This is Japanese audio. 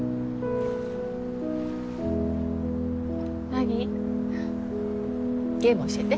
凪ゲーム教えて。